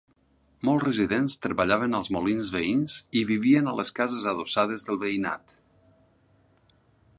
Molts residents treballaven als molins veïns i vivien a les cases adossades del veïnat.